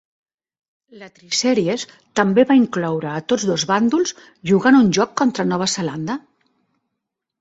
La Tri-sèries també va incloure a tots dos bàndols jugant un joc contra Nova Zelanda.